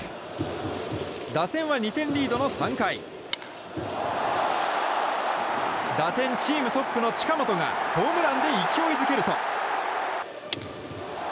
打線は２点リードの３回打点チームトップの近本がホームランで勢いづけると。